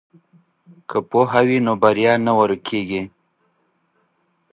که پوهه وي نو بریا نه ورکیږي.